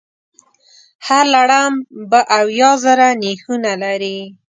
هر لړم به اویا زره نېښونه لري.